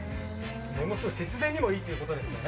節電にもいいということですね。